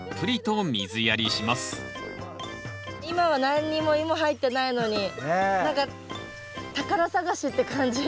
今は何にもイモ入ってないのに何か宝探しって感じ。